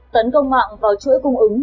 tấn công mạng vào chuỗi cung ứng